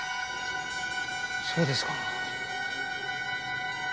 そうですか。